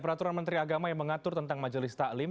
peraturan menteri agama yang mengatur tentang majelis taklim